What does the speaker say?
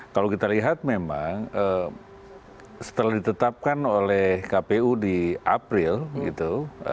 kalau kita lihat memang setelah ditetapkan oleh kpu di april gitu